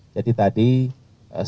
jadi tadi sinkron